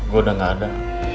gue udah gak ada